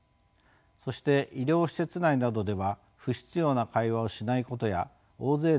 そして医療施設内などでは不必要な会話をしないことや大勢で集まらないこと。